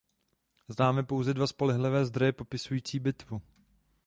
Známe pouze dva spolehlivé zdroje popisující bitvu.